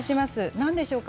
なんでしょうか？